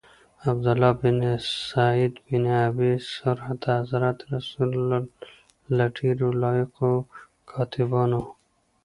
عبدالله بن سعد بن ابی سرح د حضرت رسول له ډیرو لایقو کاتبانو.